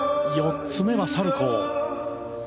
４つ目はサルコウ。